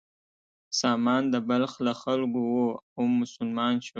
سامان د بلخ له خلکو و او مسلمان شو.